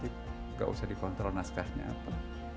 tidak usah dikontrol naskahnya apa